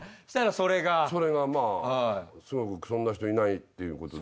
それがまあそんな人いないっていうことで。